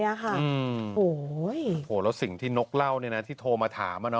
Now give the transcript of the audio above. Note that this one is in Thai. โอ้โหแล้วสิ่งที่นกเล่าเนี่ยนะที่โทรมาถาม